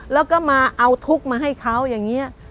แล้วก็มาเอาทุกข์มาให้เขาอย่างนี้